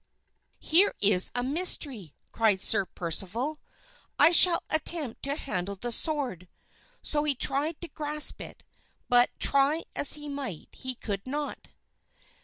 "Here is a mystery," cried Sir Percival, "I shall attempt to handle the sword." So he tried to grasp it; but, try as he might, he could not.